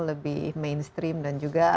lebih mainstream dan juga